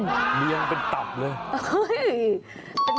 เรียงเป็นตับเลย